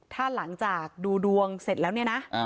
ถ้าหลังจากดูดวงเสร็จแล้วเนี่ยนะ